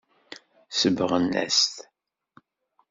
Sebɣen-as-t.